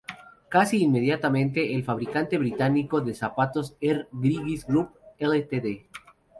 Casi inmediatamente, el fabricante británico de zapatos R. Griggs Group Ltd.